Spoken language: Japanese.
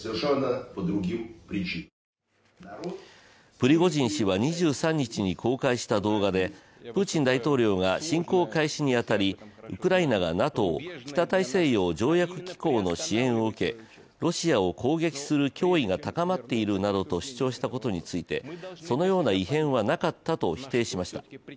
プリゴジン氏は２３日に公開した動画でプーチン大統領が侵攻開始に当たり、ウクライナがＮＡＴＯ＝北大西洋条約機構の支援を受け、ロシアを攻撃する脅威が高まっているなどと主張したことについて、そのような異変はなかったと否定しました。